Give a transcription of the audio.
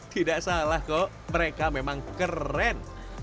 tidak salah kok mereka memang keren